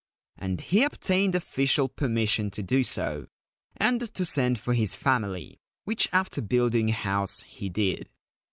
And he obtained official permission to do so, and to send for his family, which after building a house he did.